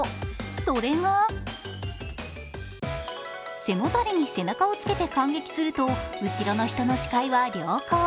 それが、背もたれに背中をつけて観劇すると後ろの人の視界は良好。